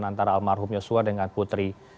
antara almarhum yosua dengan putri